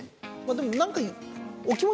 でも何か。